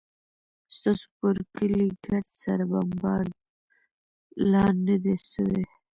ستاسو پر کلي ګرد سره بمبارد لا نه دى سوى.